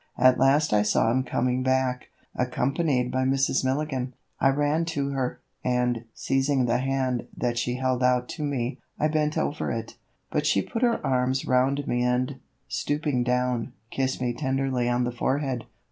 At last I saw him coming back, accompanied by Mrs. Milligan. I ran to her, and, seizing the hand that she held out to me, I bent over it. But she put her arms round me and, stooping down, kissed me tenderly on the forehead.